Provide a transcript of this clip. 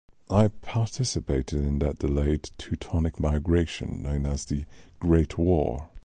I participated in that delayed Teutonic migration known as the Great War.